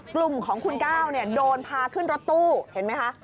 กลุ่มของคุณก้าวโดนพาขึ้นรถตู้เห็นไหมคะ